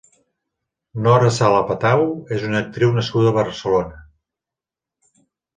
Nora Sala-Patau és una actriu nascuda a Barcelona.